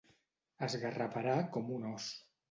Esgarraparà com un ós.